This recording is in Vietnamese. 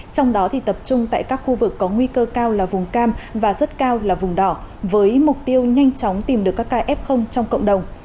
trong đó tập trung tại các khu vực có nguy cơ cao là vùng cam và rất cao là vùng đỏ với mục tiêu nhanh chóng tìm được các ca f trong cộng đồng